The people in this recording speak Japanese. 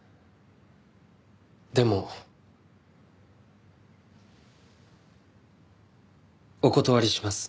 でもお断りします。